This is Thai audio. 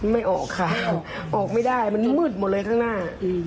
ไม่ออกค่ะออกไม่ได้มันมืดหมดเลยข้างหน้า